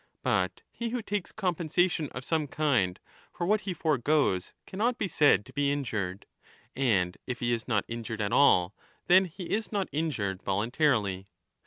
But he who takes compensation of some kind for what he forgoes cannot be said to be injured ; and if he is not injured at all, then he is not injured voluntarily.